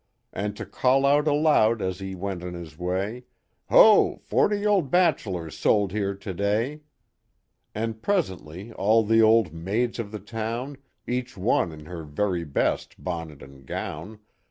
And to call out aloud as he went on his way Ho! forty old bachelors sold here to day! " And presently all the old maids of the town, Each one in her very best bonnet and gown.